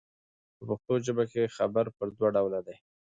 په پښتو ژبه کښي خبر پر دوه ډوله دئ.